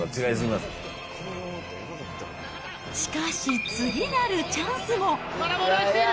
しかし、次なるチャンスも。